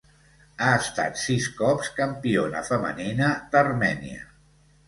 Ha estat sis cops campiona femenina d'Armènia.